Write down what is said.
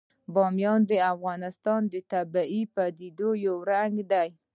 بامیان د افغانستان د طبیعي پدیدو یو رنګ دی.